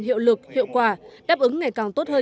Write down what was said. hiệu lực hiệu quả đáp ứng ngày càng tốt hơn